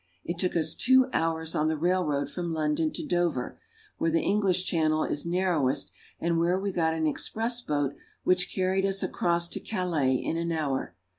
It took us two hours on the railroad from London to Dover, where the English Channel is narrow est and where we got an express boat which carried us across to Calais in an hour.